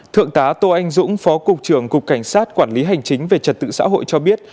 thượng tá tô anh dũng phó cục trưởng cục cảnh sát quản lý hành chính về trật tự xã hội cho biết